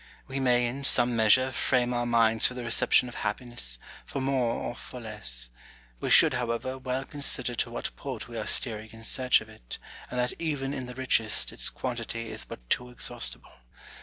We may in some measure frame our minds for the reception of happiness, for more or for less ; we should, however, well consider to what port we are steering in search of it, and that even in the richest its quantity is but too exhaustible.